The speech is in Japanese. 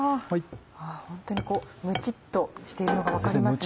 ホントにムチっとしているのが分かりますね。